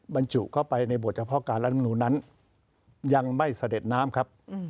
บรรจุเข้าไปในบทเฉพาะการรัฐมนุนนั้นยังไม่เสด็จน้ำครับ